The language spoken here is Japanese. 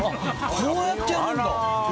こうやってやるんだ。